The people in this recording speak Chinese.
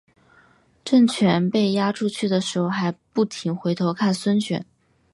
郑泉被押出去的时候还不停回头看孙权。